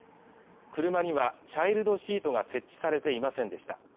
車にはチャイルドシートが設置されていませんでした